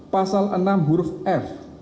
pasal enam huruf f